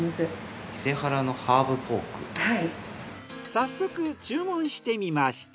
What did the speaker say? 早速注文してみました。